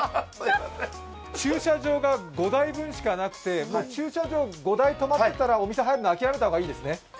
駐車場が５台分しかなくて駐車場、５台たまってたらお店に入るの諦めた方がいいですね。